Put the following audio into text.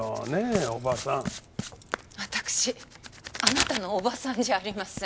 わたくしあなたの叔母さんじゃありません。